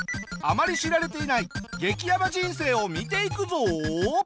あまり知られていない激ヤバ人生を見ていくぞ。